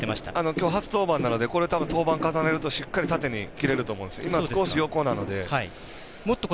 きょう初登板なので登板を重ねると、しっかり縦に切れると思うんです。